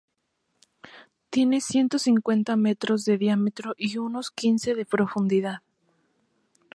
Tiene ciento cincuenta metros de diámetro y unos quince de profundidad.